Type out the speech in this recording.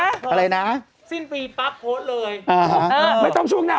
พี่เศร้ามีอะไรบ้างนะอะไรนะสิ้นปีปั๊บโพสต์เลยไม่ต้องช่วงหน้า